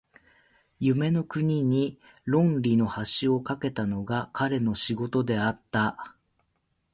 夢の国に論理の橋を架けたのが彼の仕事であった。